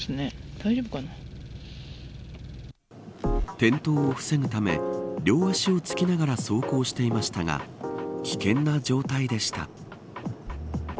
転倒を防ぐため両足をつきながら走行していましたが危険な状態でした。